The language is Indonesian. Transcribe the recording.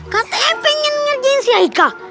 kata emang pengen ngerjain si haikal